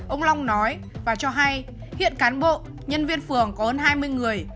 ông long nói và cho hay hiện cán bộ nhân viên phường có hơn hai mươi người